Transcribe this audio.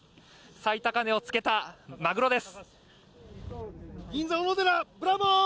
最高値を付けたマグロです。